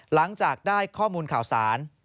หลังจากได้ข้อมูลข่าวสาร